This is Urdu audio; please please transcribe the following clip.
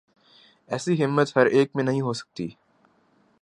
ایسی ہمت ہر ایک میں نہیں ہو سکتی۔